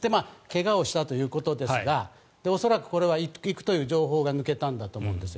怪我をしたということですが恐らく、これは行くという情報が抜けたんだと思います。